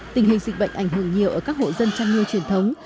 tình hình dịch bệnh ảnh hưởng nhiều ở các hộ dân chăn nuôi truyền thống